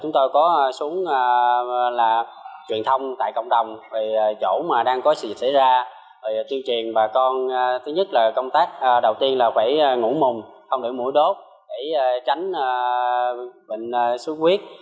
tuyên truyền bà con thứ nhất là công tác đầu tiên là phải ngủ mùng không để mũi đốt để tránh bệnh sốt huyết